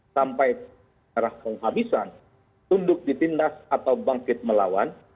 sampai arah penghabisan tunduk ditindas atau bangkit melawan